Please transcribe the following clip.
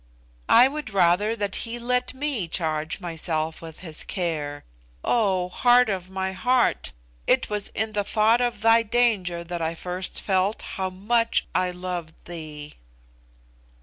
"I would rather that he let me charge myself with his care. Oh, heart of my heart, it was in the thought of thy danger that I first felt how much I loved thee!"